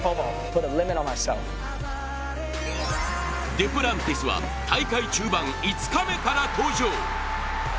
デュプランティスは大会中盤５日目から登場。